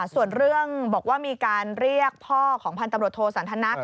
ส่วนเรื่องบอกว่ามีการเรียกพ่อของพันธุ์ตำรวจโทสันทนัก